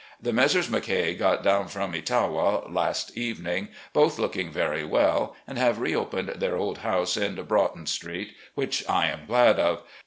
The Messrs. Mackay got down from Etowa last evening, both looking very well, and have reopened their old house in Broughton Street, which I am glad of.